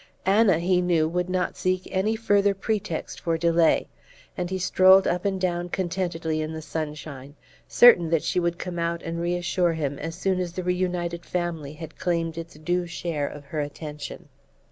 Anna, he knew, would not seek any farther pretext for delay; and he strolled up and down contentedly in the sunshine, certain that she would come out and reassure him as soon as the reunited family had claimed its due share of her attention.